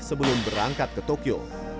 sebelum berangkat ke tokyo